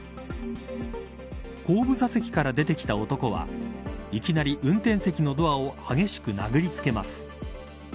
後部座席から出てきた男はいきなり運転席のドアを激しく殴りつけます。